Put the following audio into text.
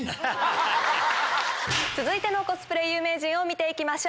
続いてのコスプレ有名人を見て行きましょう。